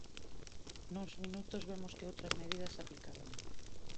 Nuns minutos vemos que outras medidas se aplicarán.